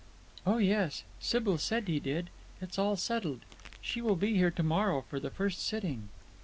"Oh, yes. Sybil said he did. It's all settled. She will be here to morrow for the first sitting."